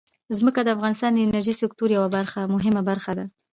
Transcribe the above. ځمکه د افغانستان د انرژۍ سکتور یوه ډېره مهمه برخه ده.